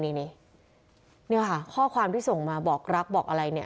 นี่ค่ะข้อความที่ส่งมาบอกรักบอกอะไร